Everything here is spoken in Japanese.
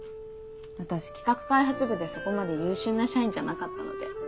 私企画開発部でそこまで優秀な社員じゃなかったので。